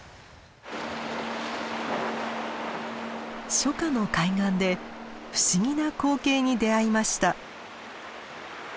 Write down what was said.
初夏の海岸で不思議な光景に出会いました。